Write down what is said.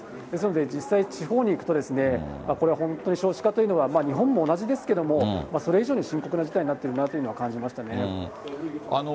ですので、実際、地方に行くと、これは本当に少子化というのは、日本も同じですけども、それ以上に深刻な事態になっているなというのは感じましたね。